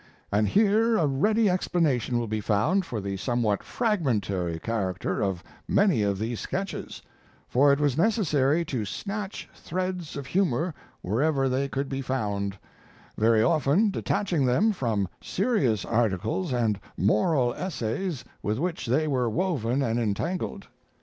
And here a ready explanation will be found for the somewhat fragmentary character of many of these sketches; for it was necessary to snatch threads of humor wherever they could be found very often detaching them from serious articles and moral essays with which they were woven and entangled.